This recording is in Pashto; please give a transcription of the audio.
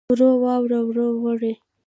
ووړ، واړه، وړه، وړې.